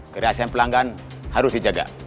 kerasian pelanggan harus dijaga